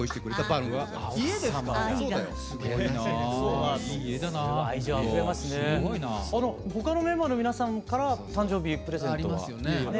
あの他のメンバーの皆さんから誕生日プレゼントは？